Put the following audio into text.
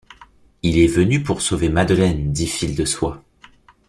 Il est venu pour sauver Madeleine, dit Fil-de-Soie